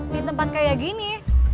di tempat kayak gini